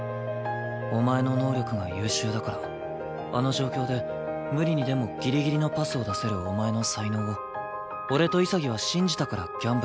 お前の能力が優秀だからあの状況で無理にでもギリギリのパスを出せるお前の才能を俺と潔は信じたからギャンブルできたんだ。